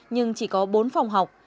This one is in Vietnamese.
nhưng chỉ có bốn phòng học